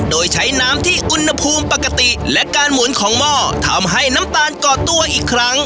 โดยใช้น้ำที่อุณหภูมิปกติและการหมุนของหม้อทำให้น้ำตาลก่อตัวอีกครั้ง